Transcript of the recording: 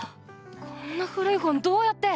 こんな古い本どうやって？